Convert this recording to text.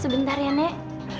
sebentar ya nek